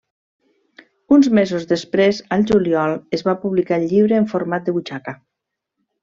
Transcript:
Uns mesos després, al juliol, es va publicar el llibre en format de butxaca.